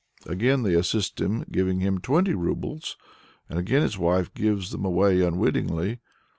Again they assist him, giving him twenty roubles, and again his wife gives them away unwittingly.